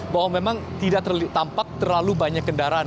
bahwa memang tidak tampak terlalu banyak kendaraan